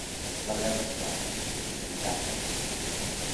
La guerra esclata, inevitable.